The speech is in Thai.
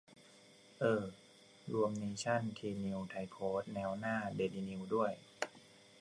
เอ้อ รวมเนชั่น ทีนิวส์ ไทยโพสต์ แนวหน้า เดลินิวส์ ด้วย